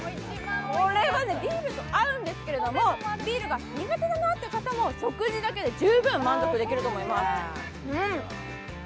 これはね、ビールと合うんですけどビールが苦手だなという方も、食事だけで十分満足できると思います。